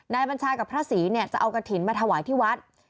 บัญชากับพระศรีเนี่ยจะเอากระถิ่นมาถวายที่วัด